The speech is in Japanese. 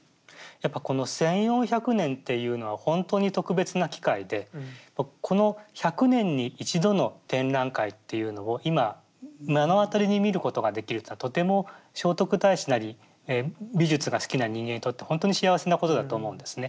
やっぱこの１，４００年っていうのはほんとに特別な機会でこの１００年に一度の展覧会っていうのを今目の当たりに見ることができるというのはとても聖徳太子なり美術が好きな人間にとってほんとに幸せなことだと思うんですね。